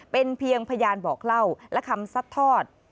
เป็นเพียงพยานบอกเล่าและคำซัดทอด